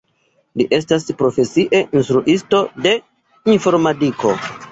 Li estas profesie instruisto de informadiko.